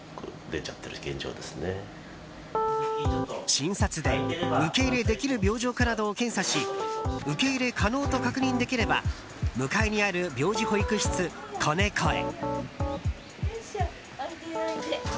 診察で、受け入れできる病状かなどを検査し受け入れ可能と確認できれば向かいにある病児保育室こねこへ。